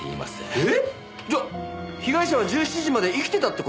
えっ？じゃあ被害者は１７時まで生きてたって事？